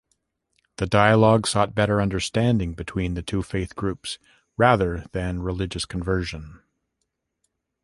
The Dialogue sought better understanding between the two faith groups rather than religious conversion.